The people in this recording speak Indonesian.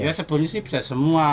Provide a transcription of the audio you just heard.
ya sebelumnya sih bisa semua